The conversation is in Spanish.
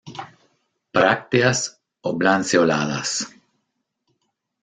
Brácteas oblanceoladas.